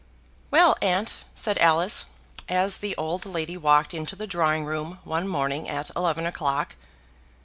"Well, aunt," said Alice, as the old lady walked into the drawing room one morning at eleven o'clock.